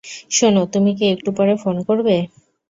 শোনো, তুমি কি একটু পরে ফোন করবে।